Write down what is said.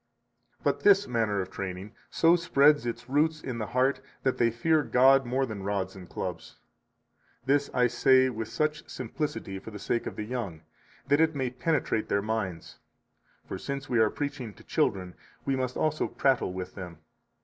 77 But this [manner of training] so spreads its roots in the heart that they fear God more than rods and clubs. This I say with such simplicity for the sake of the young, that it may penetrate their minds. For since we are preaching to children, we must also prattle with them.